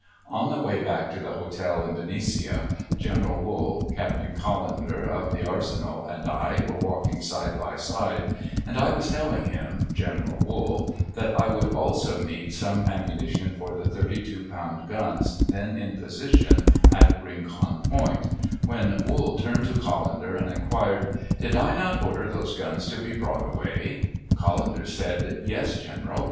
On the way back to the hotel at Benicia, General Wool, Captain Callendar of the arsenal, and I, were walking side by side, and I was telling him (General Wool) that I would also need some ammunition for the thirty two pound guns then in position at Rineon Point, when Wool turned to Callendar and inquired, "Did I not order those guns to be brought away?" Callendar said "Yes, general.